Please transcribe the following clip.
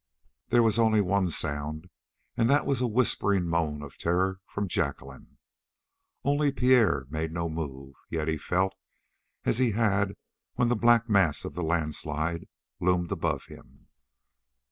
There was only one sound, and that was a whispering moan of terror from Jacqueline. Only Pierre made no move, yet he felt as he had when the black mass of the landslide loomed above him.